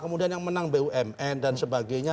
kemudian yang menang bumn dan sebagainya